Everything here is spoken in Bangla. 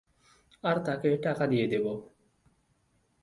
আর তাকে টাকা দিয়ে দিব।